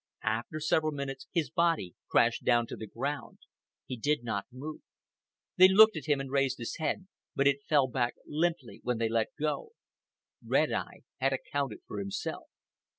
After several minutes his body crashed down to the ground. He did not move. They looked at him and raised his head, but it fell back limply when they let go. Red Eye had accounted for himself.